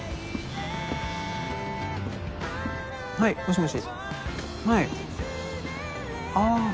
はいもしもしはいああ